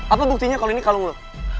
apa buktinya kalau ini kalung